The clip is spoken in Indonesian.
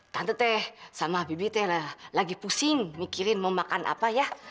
tante teh sama bibit teh lagi pusing mikirin mau makan apa ya